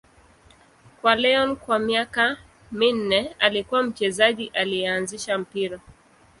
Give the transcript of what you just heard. Kwa Lyon kwa miaka minne, alikuwa mchezaji aliyeanzisha mpira.